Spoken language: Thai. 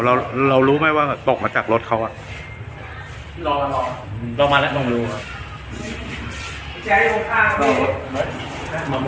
เราเรารู้ไหมว่าตกมาจากรถเขาอ่ะเรามาแล้วต้องรู้